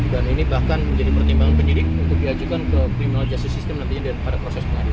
dan ini bahkan menjadi pertimbangan penyidik untuk diajukan ke criminal justice system nantinya pada proses pengadilan